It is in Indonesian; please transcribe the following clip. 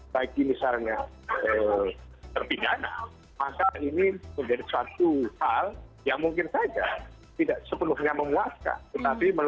yang merupakan ot imaginatif untuk kewajiban